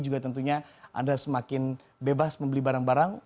juga tentunya anda semakin bebas membeli barang barang